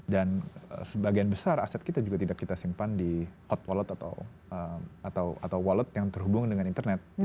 dan sebagian besar aset kita juga tidak kita simpan di hot wallet atau wallet yang terhubung dengan internet